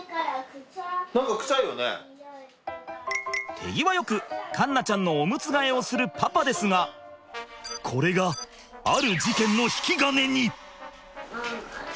手際よく環奈ちゃんのオムツ替えをするパパですがこれがある事件の引き金に！